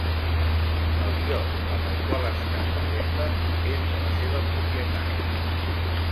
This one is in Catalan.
El iot amb el qual escapa Denver és de la seva propietat.